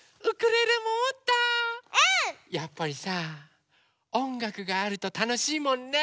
やっぱりさおんがくがあるとたのしいもんね！ね！